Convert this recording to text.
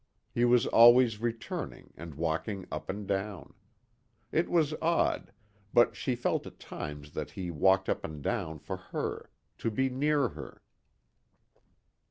He was always returning and walking up and down. It was odd, but she felt at times that he walked up and down for her, to be near her.